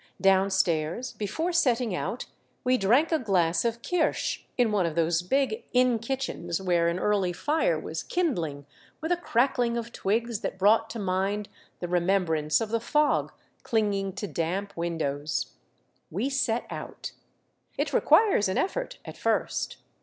Downstairs, before setting out we drank a glass of kirsch in one of those big inn kitchens, where an early fire was kindling with a crackling of twigs that brought to mind the remem brance of the fog clinging to damp windows. We set out. It requires an effort at first.